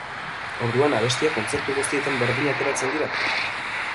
Orduan abestiak kontzertu guztietan berdin ateratzen dira?